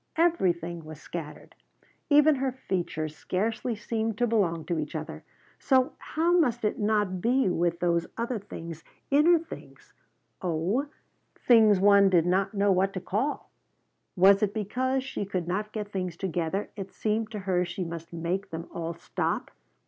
Everything was scattered. Even her features scarcely seemed to belong to each other, so how must it not be with those other things, inner things, oh, things one did not know what to call? Was it because she could not get things together it seemed to her she must make them all stop?